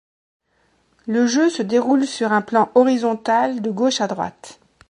Le jeu se déroule sur un plan horizontal de gauche à droite.